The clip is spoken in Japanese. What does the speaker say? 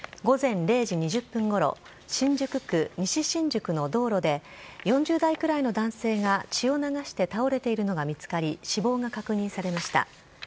午前０時２０分ごろ、新宿区西新宿の道路で、４０代くらいの男性が血を流して倒れているのが見つかり、死亡が確認されました。